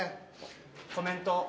コメント。